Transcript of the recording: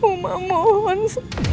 kau tidak mau kejadian itu terjadi lagi